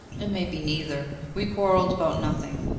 'It may be neither. We quarrelled about nothing.